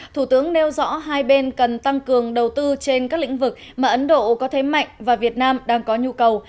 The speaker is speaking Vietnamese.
thủ tướng nêu rõ hai bên cần tăng cường đầu tư trên các lĩnh vực mà ấn độ có thế mạnh và việt nam đang có nhu cầu